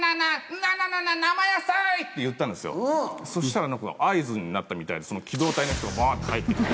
って言ったんですよそしたら合図になったみたいで機動隊の人がバって入って来て。